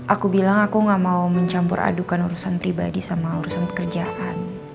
aku bilang aku gak mau mencampur adukan urusan pribadi sama urusan pekerjaan